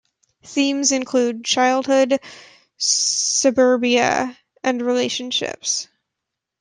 Themes include childhood, suburbia and relationships.